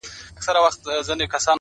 زه له خپلي ډيري ميني ورته وايم.